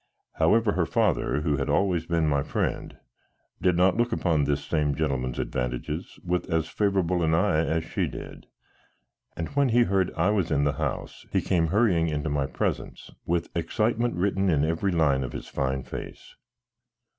However, her father, who had always been my friend, did not look upon this same gentleman's advantages with as favorable an eye as she did, and when he heard I was in the house, he came hurrying into my presence, with excitement written in every line of his fine face.